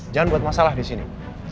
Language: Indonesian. jangan buat masalah di sini